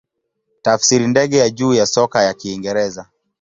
Tafsiri ndege ya juu ya soka ya Kiingereza.